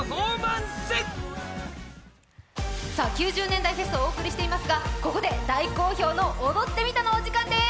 ９０年代フェスをお送りしていますがここで大好評の「踊ってみた」のお時間です。